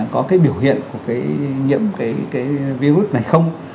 có cái biểu hiện của cái nhiễm cái virus này không